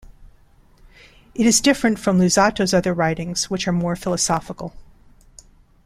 It is different from Luzzato's other writings, which are more philosophical.